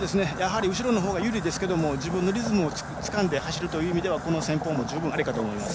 後ろのほうが有利ですが自分のリズムをつかんで走るという意味ではこの戦法も十分ありです。